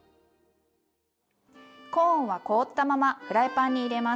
コーンは凍ったままフライパンに入れます。